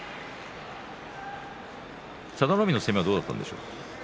佐田の海の攻めはどうだったんですか。